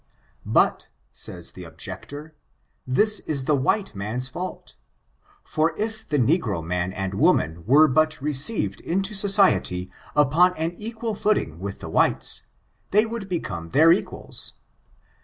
But, says the objector, this is the white man's fault, for if the negro man and woman were but received into society upon an equal footing, with the whites^ they would become their equals.